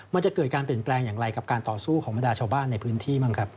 มันจะเกิดการเปลี่ยนแปลงอย่างไรกับการต่อสู้ของบรรดาชาวบ้านในพื้นที่บ้างครับ